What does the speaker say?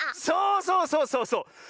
そうそうそうそうそう！